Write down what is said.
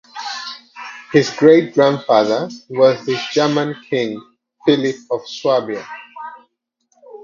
His great-grandfather was the German king Philip of Swabia.